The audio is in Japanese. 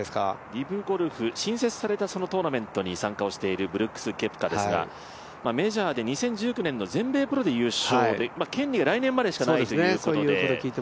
リブゴルフ、新設されたトーナメントに参加しているブルックス・ケプカですが、メジャーで２０１９年の全米プロで優勝して権利が来年までしかないということで。